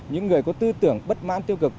những người có tư tưởng bất mãn tiêu cực